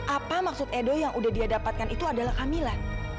apa maksud edo yang udah dia dapatkan itu adalah amilan